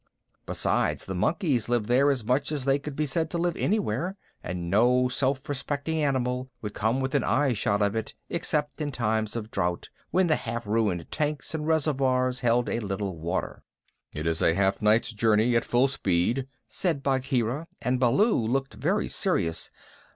Besides, the monkeys lived there as much as they could be said to live anywhere, and no self respecting animal would come within eyeshot of it except in times of drought, when the half ruined tanks and reservoirs held a little water. "It is half a night's journey at full speed," said Bagheera, and Baloo looked very serious.